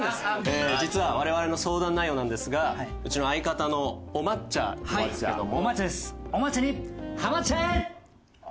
実は我々の相談内容なんですがうちの相方のお抹茶なんですけども。